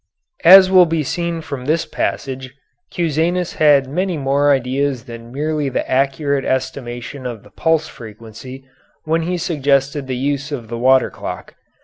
As will be seen from this passage, Cusanus had many more ideas than merely the accurate estimation of the pulse frequency when he suggested the use of the water clock.